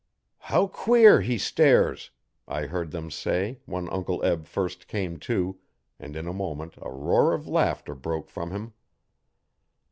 'How queer he stares!' I heard them say when Uncle Eb first came to, and in a moment a roar of laughter broke from him.